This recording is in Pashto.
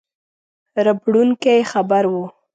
ربړوونکی خبر وو.